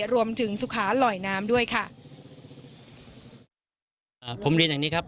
รวมถึงสุขาลอยน้ำด้วยค่ะอ่าผมเรียนอย่างนี้ครับ